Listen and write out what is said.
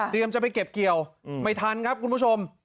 จะไปเก็บเกี่ยวไม่ทันครับคุณผู้ชม